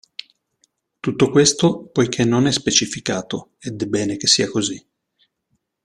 Tutto questo poiché non è specificato, ed è bene che sia così.